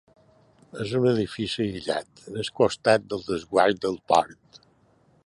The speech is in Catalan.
És un edifici aïllat, al costat del desguàs del port.